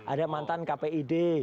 ada mantan kpid